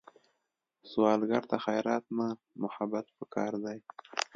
سوالګر ته خیرات نه، محبت پکار دی